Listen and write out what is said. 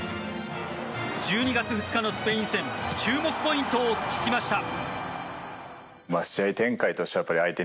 １２月２日のスペイン戦注目ポイントを聞きました。